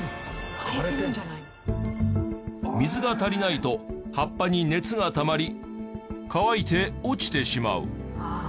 水が足りないと葉っぱに熱がたまり乾いて落ちてしまう。